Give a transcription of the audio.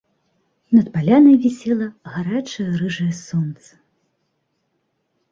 Над палянай вісела гарачае рыжае сонца.